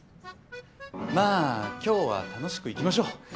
まあ今日は楽しく行きましょう。